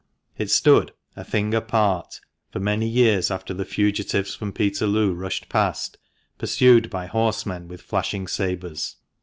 It stood "a thing apart" for many years after the fugitives from Peterloo rushed past, pursued by horsemen with flashing sabres.